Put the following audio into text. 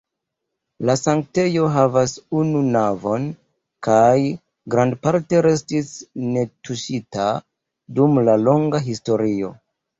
La sanktejo havas unu navon kaj grandparte restis netuŝita dum la longa historio.